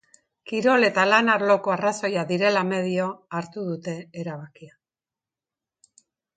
Kirol eta lan arloko arrazoiak direla medio hartu dute erabakia.